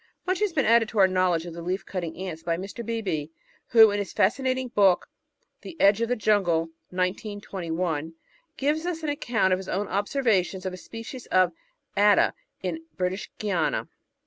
Much has been added to our knowledge of the Leaf cutting Ants by Mr. Beebe, who, in his fascinating book The Edge of the Jtmgle (1921), gives us an account of his own observations of a species of Atta in British Guiana.